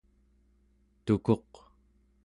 tukuq